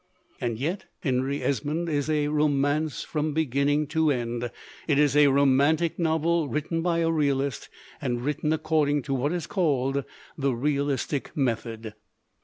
And yet Henry Esmond is a romance from beginning to end; it is a romantic novel written by a realist, and written according to what is called the realistic method.